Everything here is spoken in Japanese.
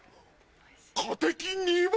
カテキン２倍！